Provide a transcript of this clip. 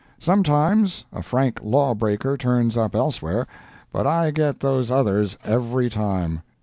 Sometimes a frank law breaker turns up elsewhere, but I get those others every time.